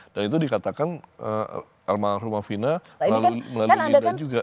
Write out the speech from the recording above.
dan itu dikatakan alma rumafina lalu melinda juga